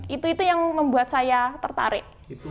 itu itu yang membuat saya tertarik